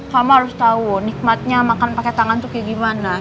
kamu harus tahu nikmatnya makan pakai tangan tuh kayak gimana